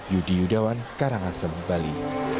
yudi yudawan karangasem bali